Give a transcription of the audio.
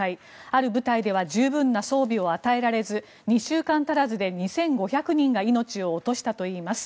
ある部隊では十分な装備が与えられず２週間足らずで２５００人が命を落としたといいます。